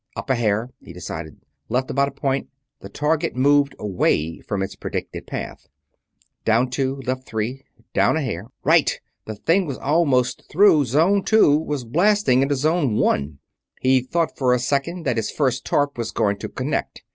"Up a hair," he decided. "Left about a point." The target moved away from its predicted path. Down two left three down a hair Right! The thing was almost through Zone Two; was blasting into Zone One. He thought for a second that his first torp was going to connect.